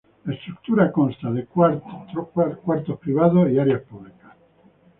La estructura consta de cuartos privados y áreas públicas.